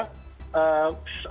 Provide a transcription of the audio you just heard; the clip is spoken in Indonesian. kapan masyarakat akan dapat kepastian